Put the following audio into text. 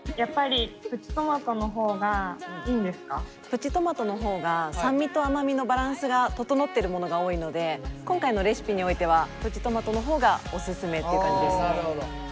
プチトマトの方が酸味と甘みのバランスが整ってるものが多いので今回のレシピにおいてはプチトマトの方がおすすめという感じです。